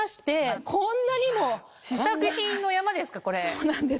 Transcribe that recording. そうなんです。